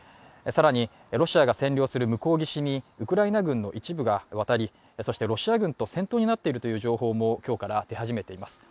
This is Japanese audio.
ロシア側が占領する向こう岸にウクライナ軍の一部が渡りそしてロシア軍と戦闘になっているという情報も今日から出始めています。